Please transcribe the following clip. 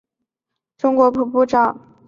现任天然资源与环境部副部长。